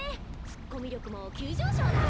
ツッコミ力も急上昇だ！